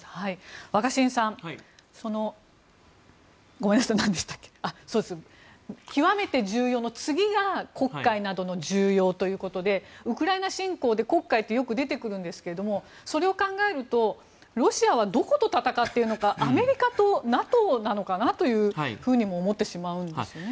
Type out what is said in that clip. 若新さん、極めて重要の次が黒海などの重要ということでウクライナ侵攻で黒海とよく出てくるんですがそれを考えるとロシアはどこと戦っているのかアメリカとＮＡＴＯなのかなとも思ってしまうんですよね。